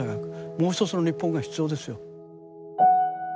もう一つの日本が必要ですよ。